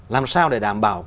làm sao để đảm bảo